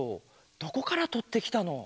どこからとってきたの？